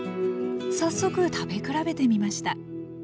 早速食べ比べてみました